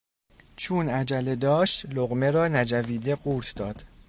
چون عجله داشت لقمه را نجویده قورت داد.